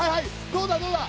どうだどうだ？